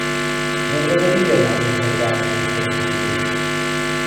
M'agradaria anar a Puigcerdà amb trasport públic.